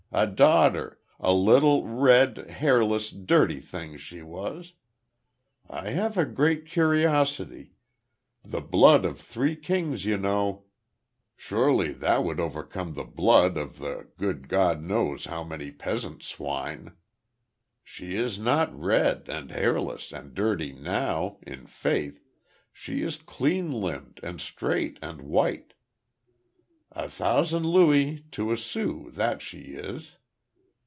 A daughter. A little, red, hairless, dirty thing she was. I have a great curiosity the blood of three kings, you know; surely that would overcome the blood of the good God knows how many peasant swine. She is not red, and hairless, and dirty now, in faith! She is clean limbed, and straight, and white. A thousand louis to a sou, that she is!"